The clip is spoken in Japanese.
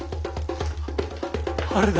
あれだ。